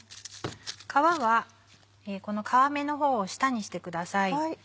皮はこの皮目の方を下にしてください。